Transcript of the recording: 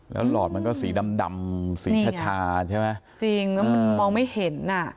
แล้วหลอดมันก็สีดำดำสีชาใช่ไหมจริงแล้วมันมองไม่เห็นอ่ะ